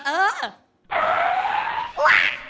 เออ